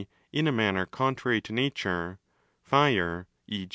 in a manner contrary to nature (fire, e.